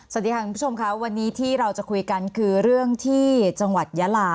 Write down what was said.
สวัสดีค่ะคุณผู้ชมค่ะวันนี้ที่เราจะคุยกันคือเรื่องที่จังหวัดยาลา